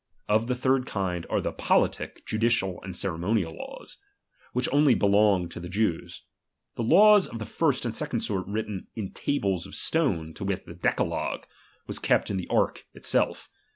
Of the ■d kind are the politie, judicial, Bud ceremonial laws ; which only belonged to the Jews. Tlie laws of the first and second sort written in tables of stojie, to wit, the decalogue, was kept in the ■ arh itself.